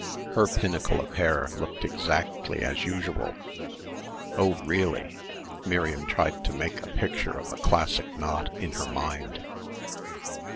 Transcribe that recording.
Her pinnacle of hair looked exactly as usual. "Oh, really." Miriam tried to make a picture of a classic knot in her mind.